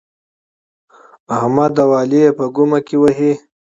احمد او علي يې په ګمه کې وهي.